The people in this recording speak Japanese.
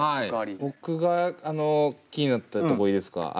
僕が気になったとこいいですか？